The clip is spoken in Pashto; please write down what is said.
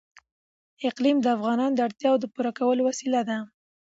اقلیم د افغانانو د اړتیاوو د پوره کولو وسیله ده.